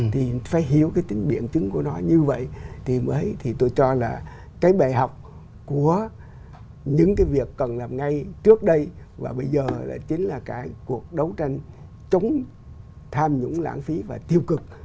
thì phải hiểu cái tính biện chứng của nó như vậy thì mới thì tôi cho là cái bài học của những cái việc cần làm ngay trước đây và bây giờ lại chính là cái cuộc đấu tranh chống tham nhũng lãng phí và tiêu cực